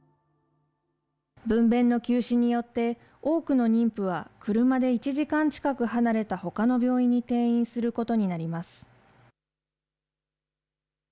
分べんの休止によって、多くの妊婦は、車で１時間近く離れたほかの病院に転院することになります。